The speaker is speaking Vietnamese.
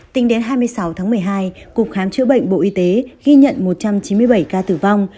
tính đến hai mươi sáu tháng một mươi hai cục khám chữa bệnh bộ y tế ghi nhận một trăm chín mươi bảy ca tử vong